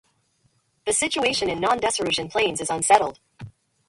The situation in non-desarguesian planes is unsettled.